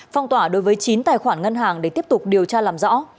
phong tỏa đối với chín tài khoản ngân hàng để tiếp tục điều tra làm rõ